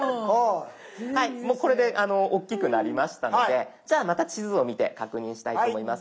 もうこれで大きくなりましたのでじゃあまた地図を見て確認したいと思います。